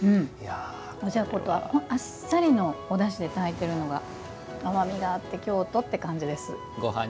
おじゃことあっさりのおだしで炊いてるのが甘みがあって京都って感じです。